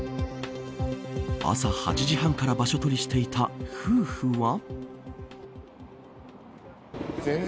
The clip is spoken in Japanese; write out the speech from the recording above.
朝８時半から場所取りしていた夫婦は。